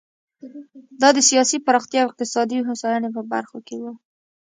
دا د سیاسي پراختیا او اقتصادي هوساینې په برخو کې و.